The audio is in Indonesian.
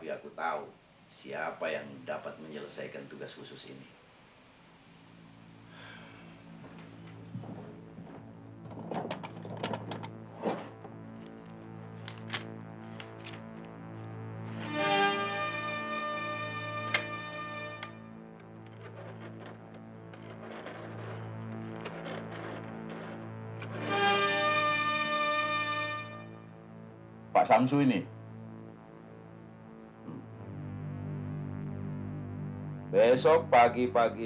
aku tidak kebetulan untuk mencari dia